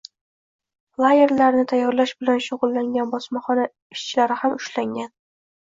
Flayerlarni tayyorlash bilan shug‘ullangan bosmaxona ishchilari ham ushlangan